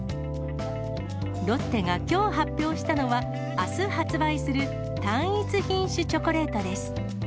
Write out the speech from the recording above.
ロッテがきょう発表したのは、あす発売する単一品種チョコレートです。